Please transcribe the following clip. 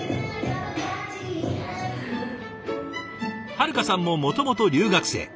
遥花さんももともと留学生。